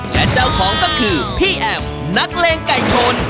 และเจ้าของก็คือพี่แอมนักเลงไก่ชน